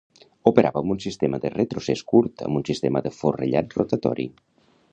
Operava amb un sistema de retrocés curt, amb un sistema de forrellat rotatori.